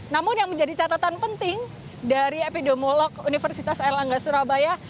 namun yang menjadi catatan penting dari epidemiolog universitas erlangga surabaya